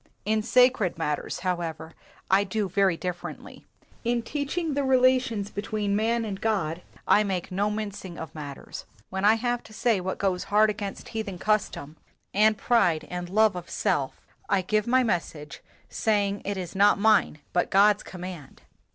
In sacred matters, however, I do very differently. In teaching the relations between man and God I make no mincing of matters. When I have to say what goes hard against heathen custom and pride and love of self, I give my message, saying it is not mine but God's command."